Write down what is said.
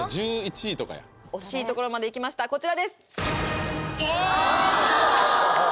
１１位とかや惜しいところまで行きましたこちらですお！